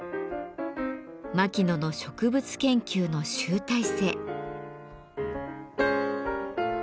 牧野の植物研究の集大成。